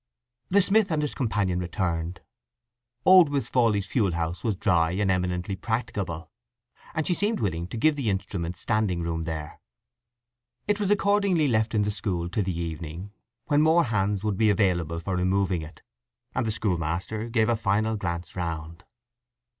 The smith and his companion returned. Old Miss Fawley's fuel house was dry, and eminently practicable; and she seemed willing to give the instrument standing room there. It was accordingly left in the school till the evening, when more hands would be available for removing it; and the schoolmaster gave a final glance round.